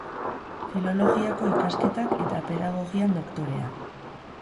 Filologiako ikasketak eta Pedagogian doktorea.